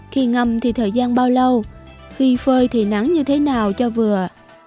khi ngâm thì thời gian bao lâu khi phơi thì nắng như thế nào cho vừa